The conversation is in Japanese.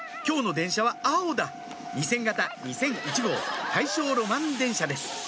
今日の電車は青だ２０００形２００１号大正ロマン電車です